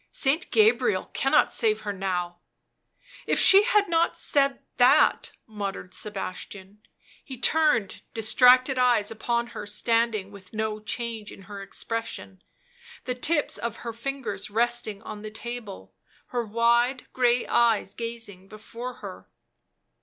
Saint Gabriel cannot save her now . 77 u If she had not said that , 77 muttered Sebastian; he turned distracted eyes upon her standing with no change in her expression, the tips of her fingers resting on the table; her wide grey eyes gazing before her